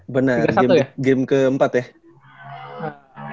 bener game keempat ya